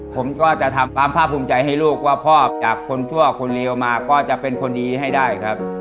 ผมก็จะทำความภาพภูมิใจให้ลูกว่าพ่อจากคนทั่วคนเลวมาก็จะเป็นคนดีให้ได้ครับ